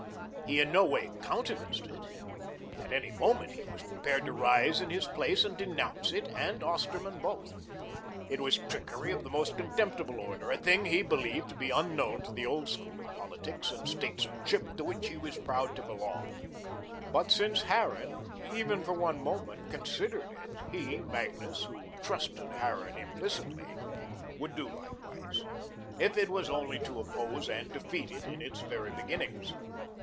He in no way countenanced it. At any moment he was prepared to rise in his place and denounce it and Osterman both. It was trickery of the most contemptible order, a thing he believed to be unknown to the old school of politics and statesmanship to which he was proud to belong; but since Harran, even for one moment, considered it, he, Magnus, who trusted Harran implicitly, would do likewise if it was only to oppose and defeat it in its very beginnings.